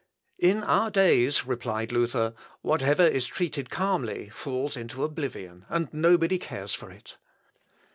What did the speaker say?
"In our days," replied Luther, "whatever is treated calmly falls into oblivion, and nobody cares for it."